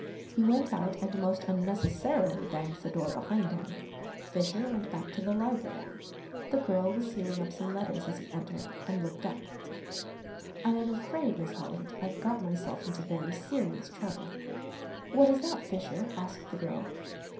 He went out and most unnecessarily banged the door behind him. Fisher went back to the library. The girl was sealing up some letters as he entered and looked up. "I am afraid, Miss Holland, I've got myself into very serious trouble." "What is that, Fisher!" asked the girl.